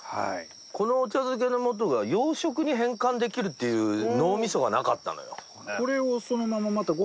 このお茶漬けの素が洋食に変換できるっていう脳みそがなかったのよ。